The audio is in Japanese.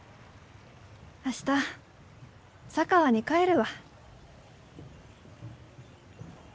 明日佐川に帰るわ。